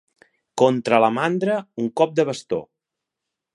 Contra la mandra, un cop de bastó.